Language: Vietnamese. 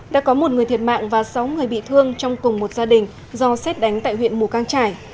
đã có một người thiệt mạng và sáu người bị thương trong cùng một gia đình do xét đánh tại huyện mù căng trải